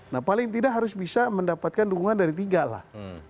nah paling tidak harus bisa mendapatkan dukungan dari tiga lah